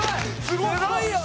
すごいよ！